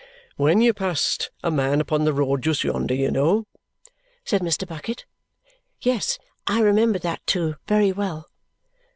"When you passed a man upon the road, just yonder, you know," said Mr. Bucket. Yes, I remembered that too, very well.